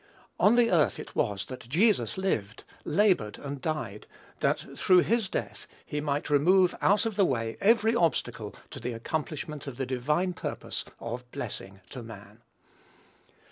On the earth it was that Jesus lived, labored, and died; that through his death he might remove out of the way every obstacle to the accomplishment of the divine purpose of blessing to man.